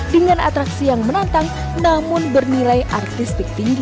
dengan atraksi yang menantang namun bernilai artis pik tinggi